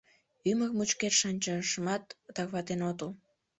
Ӱмыр мучкет шанчашымат тарватен отыл.